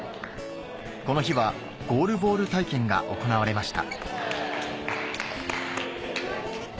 この日はゴールボール体験が行われました